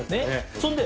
そんで。